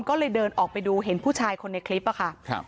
ก็เลยเดินออกไปดูเห็นผู้ชายคนในคลิปอะค่ะ